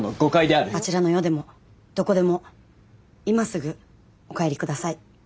あちらの世でもどこでも今すぐお帰り下さい。